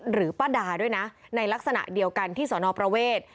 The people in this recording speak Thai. ป้าดาด้วยนะในลักษณะเดียวกันที่สอนอประเวท